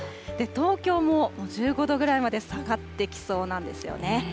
東京も１５度ぐらいまで下がってきそうなんですよね。